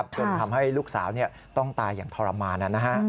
จนทำให้ลูกสาวต้องตายอย่างทรมาน